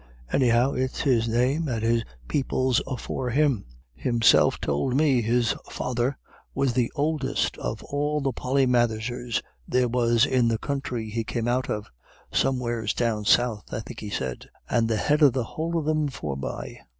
"Anyhow, it's his name, and his people's afore him. Himself tould me his father was the ouldest of all the Polymatherses there was in the counthry he came out of somewheres down south, I think he said and the head of the whole of thim forby."